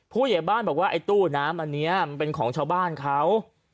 ผู้ใหญ่บ้านบอกว่าไอ้ตู้น้ำอันนี้มันเป็นของชาวบ้านเขา